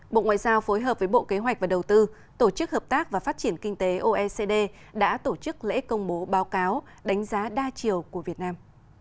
bộ ngoại giao phối hợp với bộ kế hoạch và đầu tư tổ chức hợp tác và phát triển kinh tế oecd đã tổ chức lễ công bố báo cáo đánh giá đa chiều của việt nam